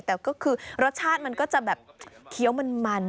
แต่ก็คือรสชาติมันก็จะแบบเคี้ยวมัน